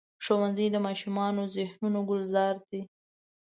ښوونځی د ماشومو ذهنونو ګلزار دی